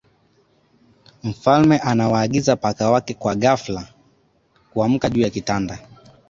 mfalme anawaagiza paka wake kwa ghafla kuamka juu ya kitanda